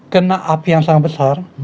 kena api yang sangat besar